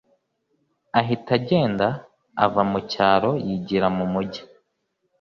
ahita agenda ava mucyaro yigira mu mujyi